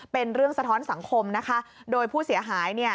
เป็นเรื่องสะท้อนสังคมนะคะโดยผู้เสียหายเนี่ย